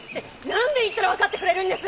何べん言ったら分かってくれるんです！